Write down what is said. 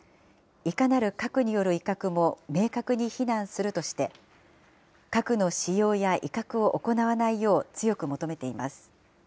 いかなる核による威嚇も明確に非難するとして、核の使用や威嚇を行わないよう強く求めています。